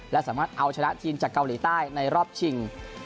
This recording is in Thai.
และสามารถเอาชนะทีมจากเกาหลีใต้ในรอบชิง